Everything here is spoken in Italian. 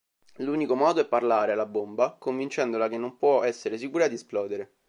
L'unico modo è "parlare" alla bomba, convincendola che non può essere sicura di esplodere.